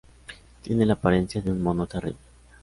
Tiene la apariencia de un mono terrible.